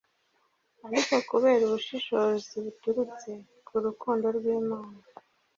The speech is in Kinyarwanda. Ariko kubera ubushishozi buturutse ku rukundo rw’Imana,